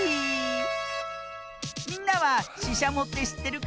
みんなはししゃもってしってるかな？